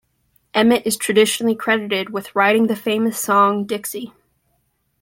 Emmett is traditionally credited with writing the famous song Dixie.